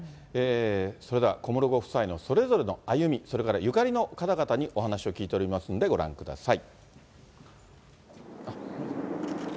それでは小室ご夫妻のそれぞれの歩み、それからゆかりの方々にお話を聞いておりますんで、ご覧ください。